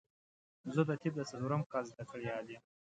زه د طب د څلورم کال زده کړيال يم